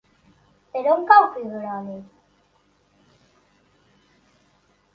Per on cau Figueroles?